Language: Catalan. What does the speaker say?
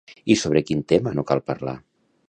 I sobre quin tema no cal parlar?